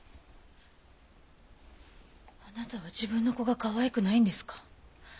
あなたは自分の子がかわいくないんですか？